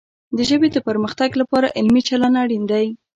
د ژبې د پرمختګ لپاره علمي چلند اړین دی.